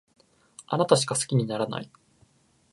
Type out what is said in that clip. あなたしか好きにならない